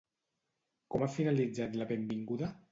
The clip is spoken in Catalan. Com ha finalitzat la benvinguda?